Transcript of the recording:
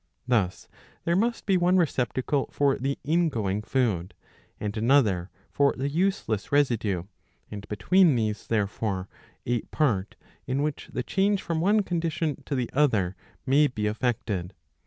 TJius there must be one receptacle for the ingoing food and another for the" useless residue, and between these, therefore, a part in which the change from one condition to the other may be effected.